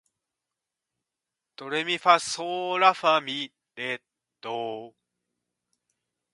ドレミファソーラファ、ミ、レ、ドー